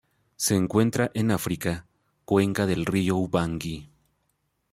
Se encuentran en África: cuenca del río Ubangui.